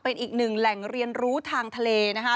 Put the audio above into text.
เป็นอีกหนึ่งแหล่งเรียนรู้ทางทะเลนะคะ